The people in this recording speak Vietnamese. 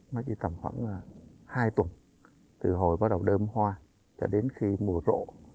nó chỉ tầm khoảng hai tuần từ hồi bắt đầu đơm hoa cho đến khi mùa rộ